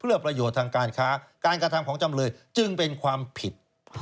เพื่อประโยชน์ทางการค้าการกระทำของจำเลยจึงเป็นความผิด